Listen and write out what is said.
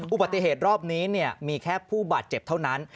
อุบัติเหตุรอบนี้มีแค่ผู้บาดเจ็บเท่านั้น